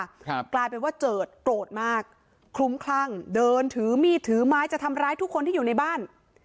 กลายเป็นว่าเจิดโกรธมากคลุ้มคลั่งเดินถือมีดถือไม้จะทำร้ายทุกคนที่อยู่ในบ้าน